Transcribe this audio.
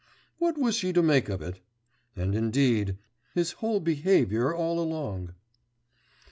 What was she to make of it? And, indeed, his whole behaviour all along....